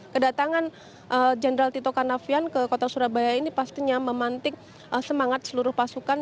kedatangan jenderal tito karnavian ke kota surabaya ini pastinya memantik semangat seluruh pasukan